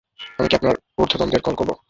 আমি কি আপনার উর্ধ্বতনদের কল করবো?